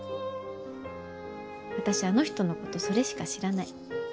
私あの人のことそれしか知らない。